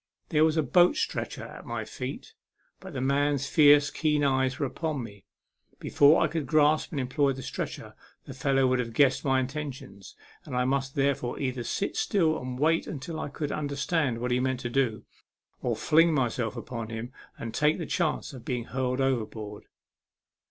There was a boat stretcher at my feet; but the man's fierce, keen eye was upon me ; before I could grasp and employ the stretcher, the fellow would have guessed my intentions, and I must therefore either sit still and wait until I could understand what he meant to do, or fling myself upon him and take the chance of being hurled overboard.